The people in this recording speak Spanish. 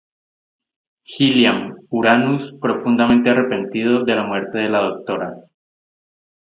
Gilliam, Uranus profundamente arrepentido de la muerte de la Dra.